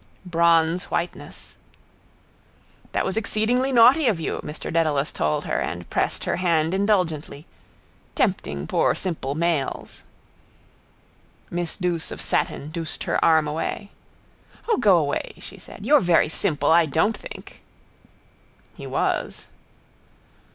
Bronze whiteness. —That was exceedingly naughty of you, Mr Dedalus told her and pressed her hand indulgently. Tempting poor simple males. Miss Douce of satin douced her arm away. —O go away! she said. You're very simple, I don't think. He was.